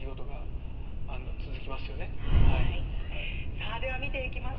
さあでは見ていきましょう。